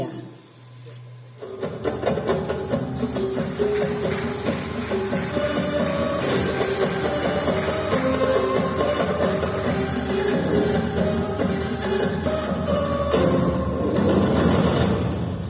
dan pemerintahan indonesia